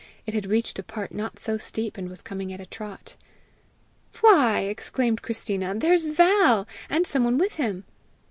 It had reached a part not so steep, and was coming at a trot. "Why!" exclaimed Christina, "there's Val! and some one with him!"